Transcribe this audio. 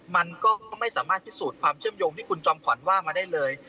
มันก็ไม่สามารถพิสูจน์ความเชื่อมโยงที่คุณจอมขวัญว่ามาได้เลย